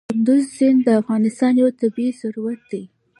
کندز سیند د افغانستان یو طبعي ثروت دی.